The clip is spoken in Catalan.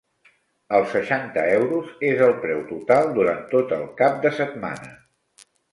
Els seixanta euros és el preu total durant tot el cap de setmana.